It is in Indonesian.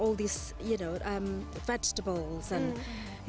anda bisa melihat dan belajar